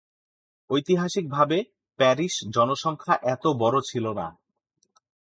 ঐতিহাসিকভাবে প্যারিশ জনসংখ্যা এত বড় ছিল না।